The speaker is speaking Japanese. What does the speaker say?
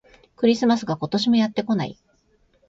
クリスマスが、今年もやってこない